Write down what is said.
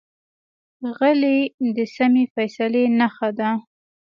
غلی، د سمې فیصلې نښه ده.